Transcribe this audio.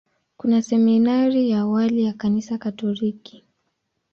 Kuna seminari ya awali ya Kanisa Katoliki.